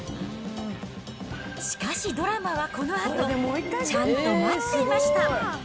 しかしドラマはこのあと、ちゃんと待っていました。